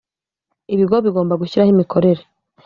ibigo bigomba gushyiraho imikorere